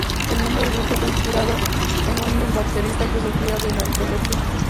El nombre del grupo está inspirado en un ex-baterista que sufría de narcolepsia.